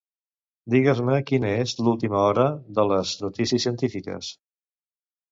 Digues-me quina és l'última hora de les notícies científiques.